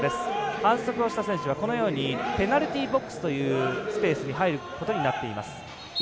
反則をした選手はペナルティーボックスというスペースに入ることになっています。